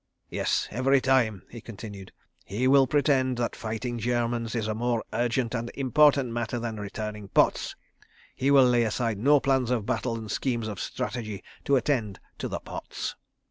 "Yes—every time," he continued. "He will pretend that fighting Germans is a more urgent and important matter than returning pots. He will lay aside no plans of battle and schemes of strategy to attend to the pots.